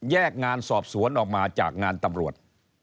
งานสอบสวนออกมาจากงานตำรวจ